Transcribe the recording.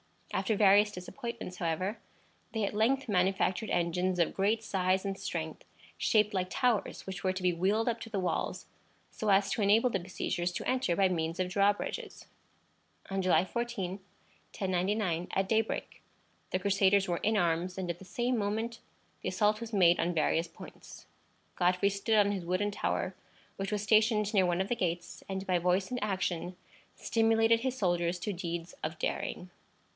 After various disappointments, however, they at length manufactured engines of great size and strength, shaped like towers, which were to be wheeled up to the walls, so as to enable the besiegers to enter by means of drawbridges. On July 14, 1099, at daybreak, the Crusaders were in arms, and at the same moment the assault was made on various points. Godfrey stood on his wooden tower, which was stationed near one of the gates, and by voice and action stimulated his soldiers to deeds of daring.